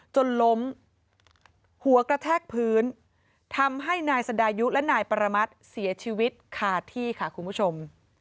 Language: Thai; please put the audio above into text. จนล้มหัวกระแทกพื้นทำให้นายสดายุและนายปรมัติเสียชีวิตคาที่ค่ะคุณผู้ชม